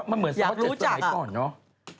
มันเหมือนซ้อส๗สมัยก่อนเนอะ